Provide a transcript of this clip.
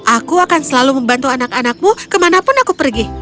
aku akan selalu membantu anak anakmu kemanapun aku pergi